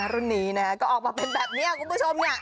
รุ่นนี้ก็ออกมาเป็นแบบนี้ครับคุณผู้ชม